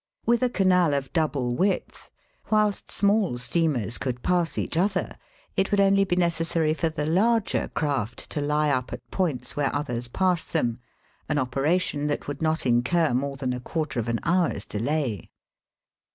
With a canal of double width, whilst small steamers could pass each other, it would only be necessary for the larger craffc to lie up at points where others pass them, an operation that would not incur more than a quarter of an hour's delay.